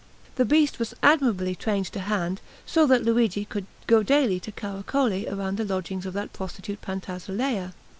The beast was admirably trained to hand, so that Luigi could go daily to caracole around the lodgings of that prostitute Pantasilea.